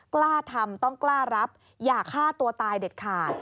กล้าทำต้องกล้ารับอย่าฆ่าตัวตายเด็ดขาด